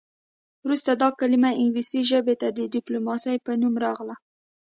وروسته دا کلمه انګلیسي ژبې ته د ډیپلوماسي په نوم راغله